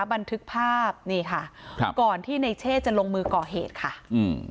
บันทึกภาพนี่ค่ะครับก่อนที่ในเช่จะลงมือก่อเหตุค่ะอืม